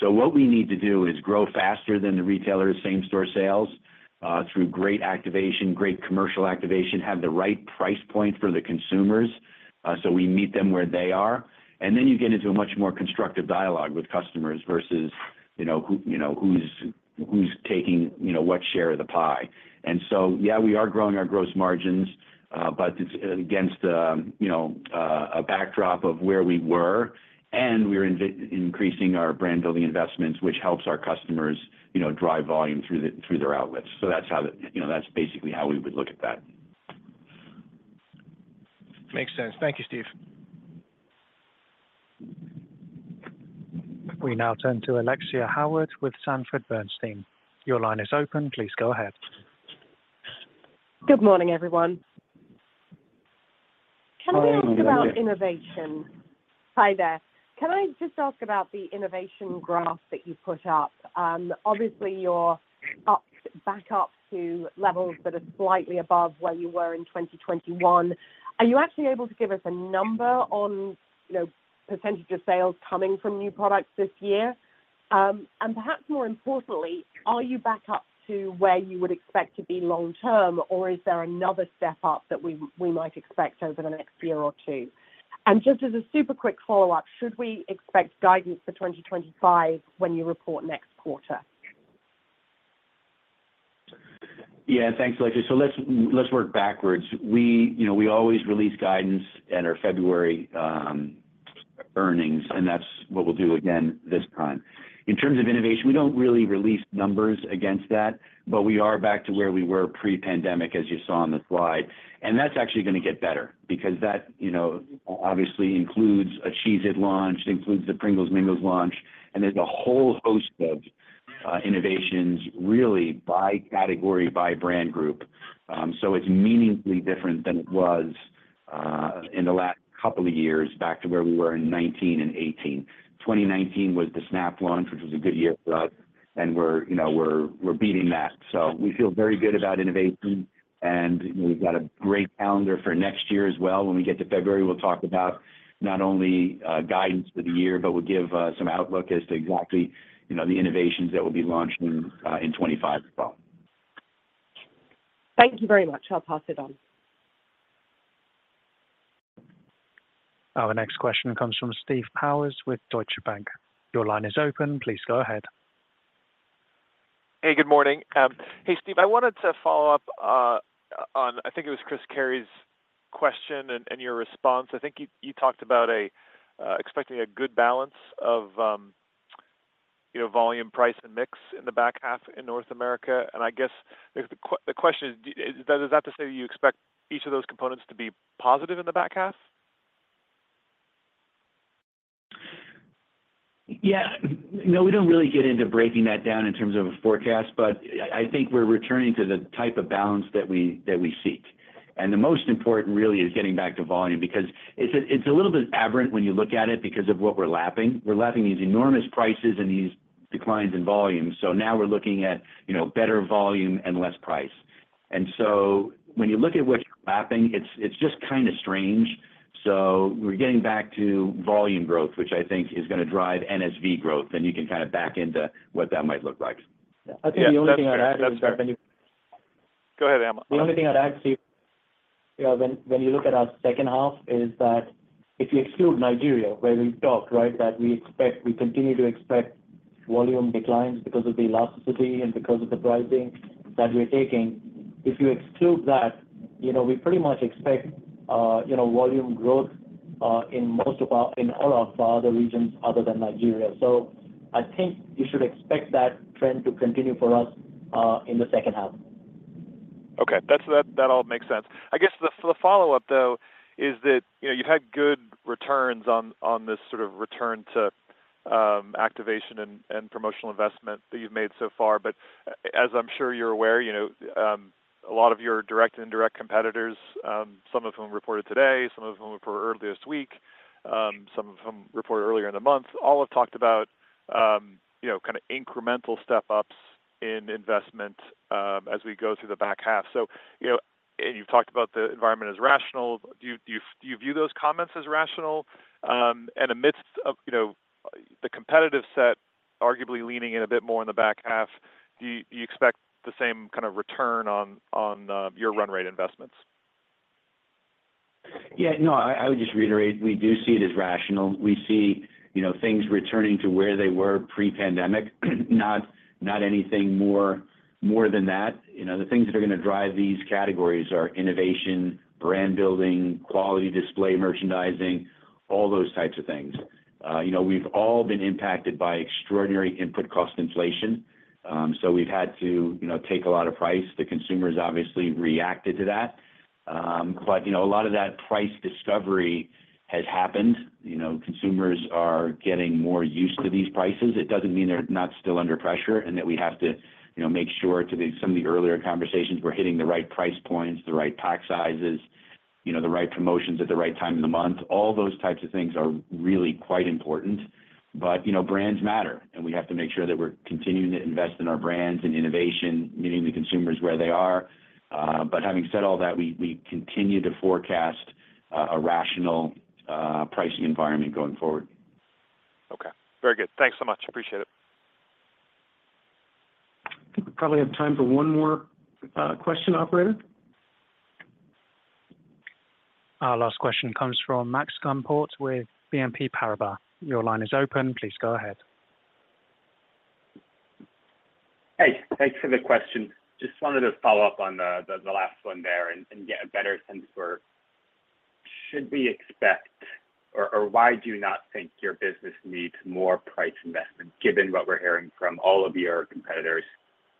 So what we need to do is grow faster than the retailers, same-store sales, through great activation, great commercial activation, have the right price point for the consumers so we meet them where they are. And then you get into a much more constructive dialogue with customers versus who's taking what share of the pie. And so, yeah, we are growing our gross margins, but it's against a backdrop of where we were. And we're increasing our brand-building investments, which helps our customers drive volume through their outlets. So that's basically how we would look at that. Makes sense. Thank you, Stephen. We now turn to Alexia Howard with Sanford Bernstein. Your line is open. Please go ahead. Good morning, everyone. Can we ask about innovation? Hi there. Can I just ask about the innovation graph that you put up? Obviously, you're back up to levels that are slightly above where you were in 2021. Are you actually able to give us a number on percentage of sales coming from new products this year? And perhaps more importantly, are you back up to where you would expect to be long-term, or is there another step up that we might expect over the next year or two? And just as a super quick follow-up, should we expect guidance for 2025 when you report next quarter? Yeah. Thanks, Alexia. So let's work backwards. We always release guidance and our February earnings, and that's what we'll do again this time. In terms of innovation, we don't really release numbers against that, but we are back to where we were pre-pandemic, as you saw on the slide. That's actually going to get better because that obviously includes a Cheez-It launch, includes the Pringles Mingles launch, and there's a whole host of innovations really by category, by brand group. So it's meaningfully different than it was in the last couple of years back to where we were in 2019 and 2018. 2019 was the Snap launch, which was a good year for us, and we're beating that. So we feel very good about innovation, and we've got a great calendar for next year as well. When we get to February, we'll talk about not only guidance for the year, but we'll give some outlook as to exactly the innovations that will be launched in 2025 as well. Thank you very much. I'll pass it on. Our next question comes from Stephen Powers with Deutsche Bank. Your line is open. Please go ahead. Hey, good morning. Hey, Stephen. I wanted to follow up on, I think it was Christopher Carey's question and your response. I think you talked about expecting a good balance of volume, price, and mix in the back half in North America. And I guess the question is, does that say you expect each of those components to be positive in the back half? Yeah. No, we don't really get into breaking that down in terms of a forecast, but I think we're returning to the type of balance that we seek. And the most important really is getting back to volume because it's a little bit aberrant when you look at it because of what we're lapping. We're lapping these enormous prices and these declines in volume. So now we're looking at better volume and less price. And so when you look at what you're lapping, it's just kind of strange. So we're getting back to volume growth, which I think is going to drive NSV growth, and you can kind of back into what that might look like. And the only thing I'd add is that when you go ahead, Amit. The only thing I'd add, Stephen, when you look at our second half is that if you exclude Nigeria, where we've talked, right, that we continue to expect volume declines because of the elasticity and because of the pricing that we're taking, if you exclude that, we pretty much expect volume growth in all of our other regions other than Nigeria. So I think you should expect that trend to continue for us in the second half. Okay. That all makes sense. I guess the follow-up, though, is that you've had good returns on this sort of return to activation and promotional investment that you've made so far. But as I'm sure you're aware, a lot of your direct and indirect competitors, some of whom reported today, some of whom reported earlier this week, some of whom reported earlier in the month, all have talked about kind of incremental step-ups in investment as we go through the back half. And you've talked about the environment as rational. Do you view those comments as rational? And amidst the competitive set arguably leaning in a bit more in the back half, do you expect the same kind of return on your run rate investments? Yeah. No, I would just reiterate we do see it as rational. We see things returning to where they were pre-pandemic, not anything more than that. The things that are going to drive these categories are innovation, brand building, quality display merchandising, all those types of things. We've all been impacted by extraordinary input cost inflation. So we've had to take a lot of price. The consumers obviously reacted to that. But a lot of that price discovery has happened. Consumers are getting more used to these prices. It doesn't mean they're not still under pressure and that we have to make sure to some of the earlier conversations we're hitting the right price points, the right pack sizes, the right promotions at the right time in the month. All those types of things are really quite important. But brands matter, and we have to make sure that we're continuing to invest in our brands and innovation, meeting the consumers where they are. But having said all that, we continue to forecast a rational pricing environment going forward. Okay. Very good. Thanks so much. Appreciate it. I think we probably have time for one more question, Operator. Our last question comes from Maxwell Gumport with BNP Paribas. Your line is open. Please go ahead. Hey. Thanks for the question. Just wanted to follow up on the last one there and get a better sense for should we expect or why do you not think your business needs more price investment given what we're hearing from all of your competitors,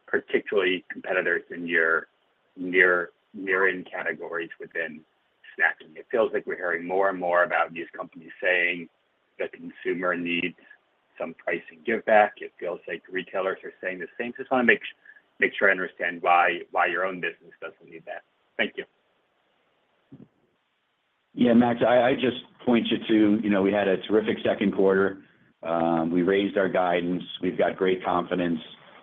particularly competitors in your near-in categories within snacking? It feels like we're hearing more and more about these companies saying the consumer needs some pricing give back. It feels like retailers are saying the same thing. So I just want to make sure I understand why your own business doesn't need that. Thank you. Yeah, Maxwell. I just point you to we had a terrific Q2. We raised our guidance. We've got great confidence.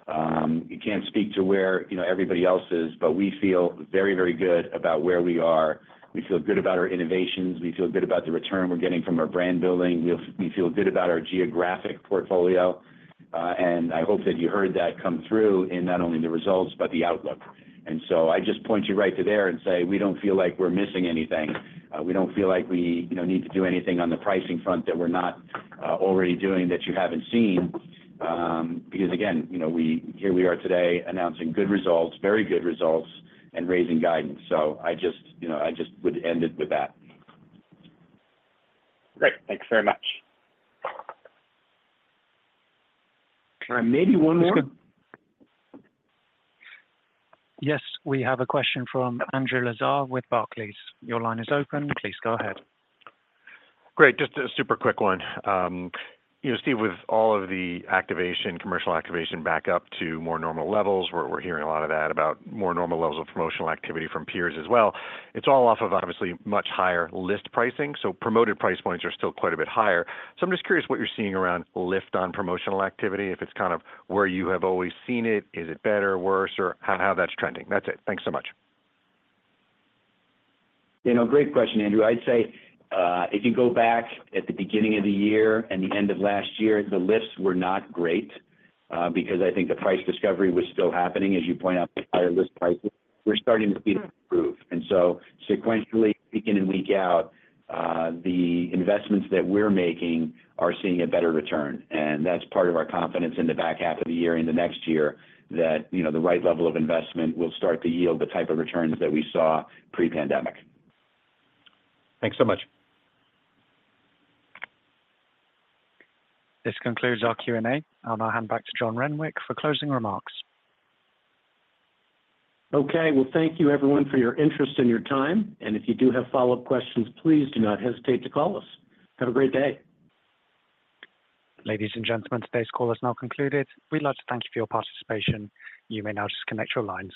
You can't speak to where everybody else is, but we feel very, very good about where we are. We feel good about our innovations. We feel good about the return we're getting from our brand building. We feel good about our geographic portfolio. And I hope that you heard that come through in not only the results but the outlook. And so I just point you right to there and say we don't feel like we're missing anything. We don't feel like we need to do anything on the pricing front that we're not already doing that you haven't seen. Because again, here we are today announcing good results, very good results, and raising guidance. So I just would end it with that. Great. Thanks very much. Maybe one more? Yes. We have a question from Andrew Lazar with Barclays. Your line is open. Please go ahead. Great. Just a super quick one. Stephen, with all of the activation, commercial activation back up to more normal levels, we're hearing a lot of that about more normal levels of promotional activity from peers as well. It's all off of obviously much higher list pricing. So promoted price points are still quite a bit higher. So I'm just curious what you're seeing around lift on promotional activity, if it's kind of where you have always seen it, is it better, worse, or how that's trending. That's it. Thanks so much. Great question, Andrew. I'd say if you go back at the beginning of the year and the end of last year, the lifts were not great because I think the price discovery was still happening, as you point out, higher list prices. We're starting to see that improve. So sequentially, week in and week out, the investments that we're making are seeing a better return. That's part of our confidence in the back half of the year and the next year that the right level of investment will start to yield the type of returns that we saw pre-pandemic. Thanks so much. This concludes our Q&A. I'll now hand back to John Renwick for closing remarks. Okay. Well, thank you, everyone, for your interest and your time. If you do have follow-up questions, please do not hesitate to call us. Have a great day. Ladies and gentlemen, today's call is now concluded. We'd like to thank you for your participation. You may now disconnect your lines.